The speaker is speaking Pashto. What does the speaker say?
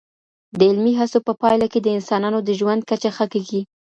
د علمي هڅو په پایله کي د انسانانو د ژوند کچه ښه کیږي.